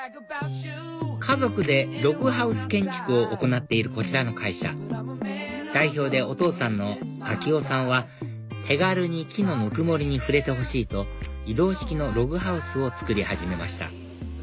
家族でログハウス建築を行っているこちらの会社代表でお父さんの昭夫さんは手軽に木のぬくもりに触れてほしいと移動式のログハウスを作り始めました